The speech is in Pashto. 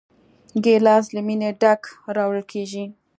ګیلاس له مینې ډک راوړل کېږي.